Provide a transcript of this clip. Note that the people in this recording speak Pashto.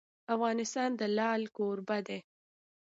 افغانستان د لعل کوربه دی.